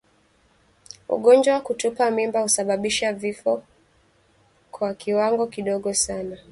Ugonjwa wa kutupa mimba husababisha vifo kwa kiwango kidogo sana